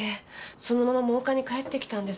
そのまま真岡に帰ってきたんです。